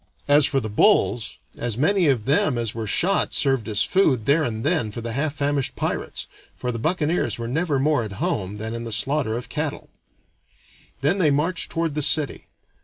As for the bulls, as many of them as were shot served as food there and then for the half famished pirates, for the buccaneers were never more at home than in the slaughter of cattle. Then they marched toward the city.